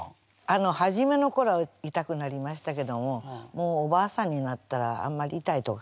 あの初めのころ痛くなりましたけどももうおばあさんになったらあんまり痛いとか感じなくなりました。